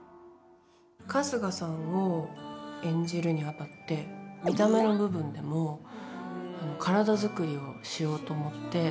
春日さんを演じるにあたって、見た目の部分でも体作りをしようと思って。